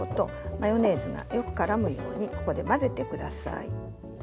マヨネーズがよくからむようにここで混ぜてください。